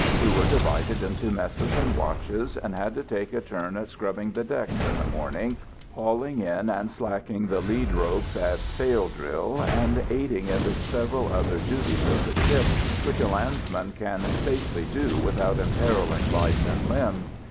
We were divided into messes and watches, and had to take a turn at scrubbing the decks in the morning, hauling in and slacking the lead ropes at sail drill, and aiding in the several other duties of the ship, which a landsman can safely do without imperilling life and limb.